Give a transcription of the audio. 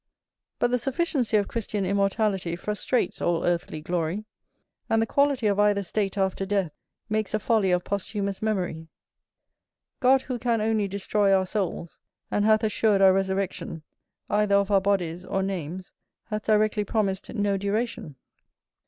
But the sufficiency of Christian immortality frustrates all earthly glory, and the quality of either state after death, makes a folly of posthumous memory. God who can only destroy our souls, and hath assured our resurrection, either of our bodies or names hath directly promised no duration.